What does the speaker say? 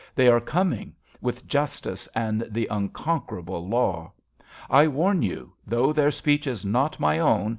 They are coining, With justice and the unconquerable law ! I warn you, though their speech is not my own.